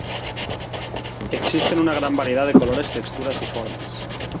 Existen una gran variedad de colores, texturas y formas.